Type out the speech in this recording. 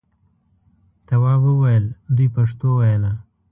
تواب وویل دوی پښتو ویله.